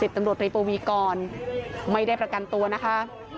ตำรวจรีปวีกรไม่ได้ประกันตัวนะคะ